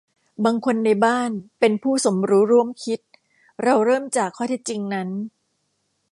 บางคนในบ้านเป็นผู้สมรู้ร่วมคิด - เราเริ่มจากข้อเท็จจริงนั้น